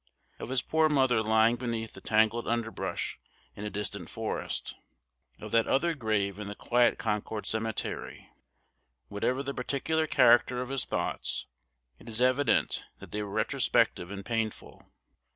Of his poor mother lying beneath the tangled underbrush in a distant forest? Of that other grave in the quiet Concord cemetery? Whatever the particular character of his thoughts, it is evident that they were retrospective and painful.